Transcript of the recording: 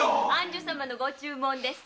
庵主様のご注文です。